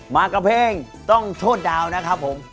มากับเพลงต้องโทษดาวนะครับผม